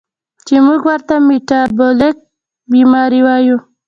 چې مونږ ورته ميټابالک بیمارۍ وايو